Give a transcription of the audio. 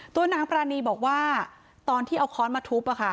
ตัวนางปรานีบอกว่าตอนที่เอาค้อนมาทุบ